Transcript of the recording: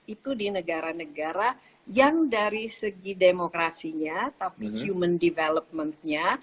itu di negara negara yang dari segi demokrasinya tapi human developmentnya